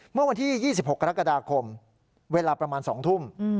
เมื่อวันที่๒๖กรกฎาคมเวลาประมาณ๒ทุ่ม